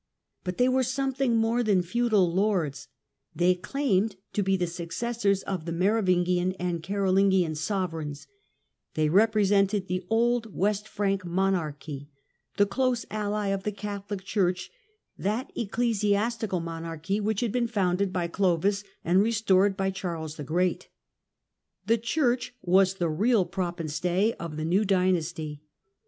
But they were something more than feudal lords ; they claimed to be the successors of the Merovingian and Carolingian sovereigns : they re presented the old West Frank monarchy, the close ally of the Catholic Church, that ecclesiastical monarchy which had been founded by Clovis and restored by Charles the Great. The Church was the real prop and stay of the new dynasty.